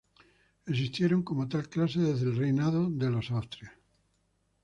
Existieron como tal clase desde el reinado de los Austrias.